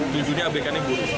tujuhnya abk ini buruh